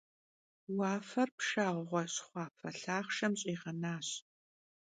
Vuafer pşşağue şxhuafe lhaxhşşem ş'iğenaş.